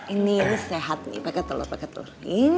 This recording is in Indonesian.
ini sehat nih pake telur peke telur